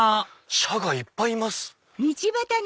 シャガいっぱいいます。